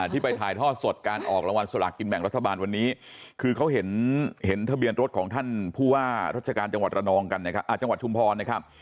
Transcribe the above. ที่ไปถ่ายทอดสดการออกรางวัลสลากินแบ่งรัฐบาลวันนี้คือเขาเห็นเห็นทะเบียนรถของท่านผู้ห้ารัชการจังหวัดชุมพรนะครับ